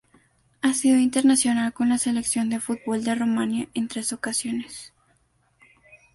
Ha sido internacional con la Selección de fútbol de Rumania en tres ocasiones.